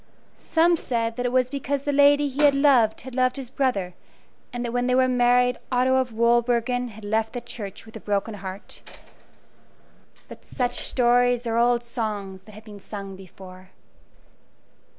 Some said that it was because the lady he had loved had loved his brother, and that when they were married Otto of Wolbergen had left the church with a broken heart. But such stories are old songs that have been sung before.